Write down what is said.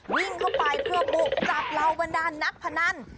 วิ่งเข้าไปเพื่อบุกจับเหล่าบรรดานนักพนัน